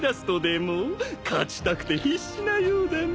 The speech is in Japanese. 勝ちたくて必死なようだな。